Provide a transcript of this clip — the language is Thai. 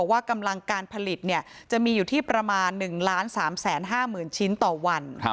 ว่ากำลังการผลิตจะมีอยู่ที่ประมาณ๑๓๕๐๐๐ชิ้นต่อวัน